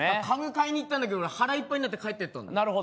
家具買いに行ったんだけど腹いっぱいになって帰ってったんだ。